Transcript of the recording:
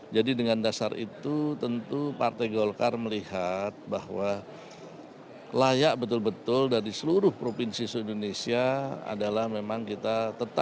dengan dasar itu tentu partai golkar melihat bahwa layak betul betul dari seluruh provinsi indonesia adalah memang kita tetapkan